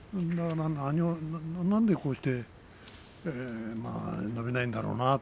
なんでこうして伸びないんだろうなと。